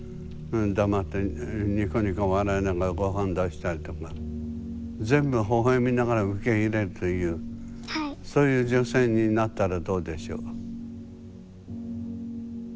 黙ってニコニコ笑いながら御飯出したりとか全部ほほえみながら受け入れるというそういう女性になったらどうでしょう？